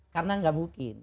karena tidak mungkin